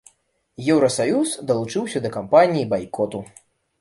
Еўрасаюз далучыўся да кампаніі байкоту.